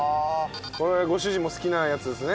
これご主人も好きなやつですね。